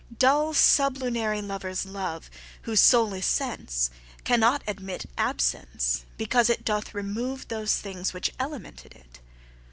Dull sublunary lovers love (Whose soule is sense) cannot admit Absence, because it doth remove Those things which elemented it.